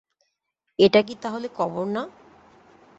এটা কি তা হলে কবর না?